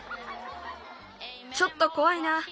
ちょっとこわいな。